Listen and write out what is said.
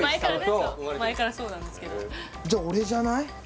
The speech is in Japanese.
前からそうなんですけどじゃあ俺じゃない？